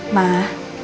apanya sehat sih ma